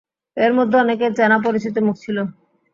এর মধ্যে অনেকে চেনা, পরিচিত মুখ ছিল।